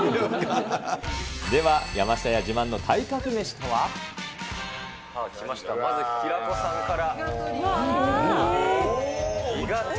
では山下家自慢の体格メシと来ました、まず平子さんから。